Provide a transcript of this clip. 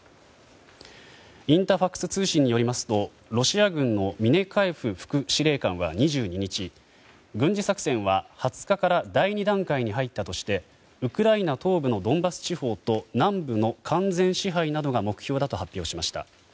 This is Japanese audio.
インタファクス通信によりますとロシア軍のミネカエフ副司令官は２２日軍事作戦は２０日から第２段階に入ったとしてウクライナ東部のドンバス地方と南部の完全支配などが目標だと発表しました。